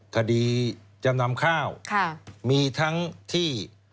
คดีจำนำข้าวมีทั้งที่